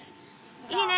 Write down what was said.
いいね！